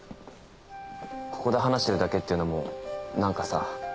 ここで話してるだけっていうのもなんかさ。